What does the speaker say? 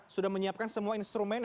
sudah menyiapkan semua instrumen